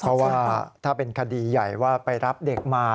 เพราะว่าถ้าเป็นคดีใหญ่ว่าไปรับเด็กมา